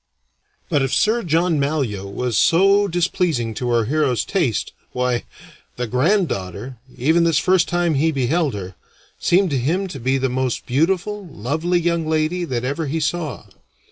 But if Sir John Malyoe was so displeasing to our hero's taste, why, the granddaughter, even this first time he beheld her, seemed to him to be the most beautiful, lovely young lady that ever he saw.